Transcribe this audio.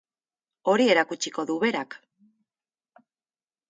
Hori erakutsiko du berak.